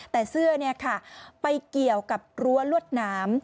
แต่เสื้อไปเกี่ยวกับรั้วรั้วรั้ว